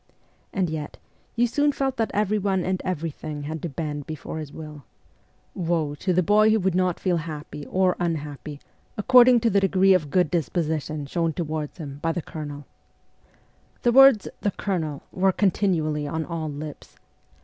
And yet, you soon felt that everyone and everything had to bend before his will. Woe to the boy who would not feel THE CORPS OF PAGES 87 happy or unhappy according to the degree of good dis position shown toward him by the Colonel. The words ' the Colonel ' were continually on all lips.